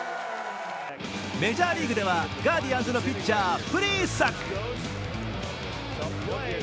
メジャーリーグではガーディアンズのピッチャープリ−サック。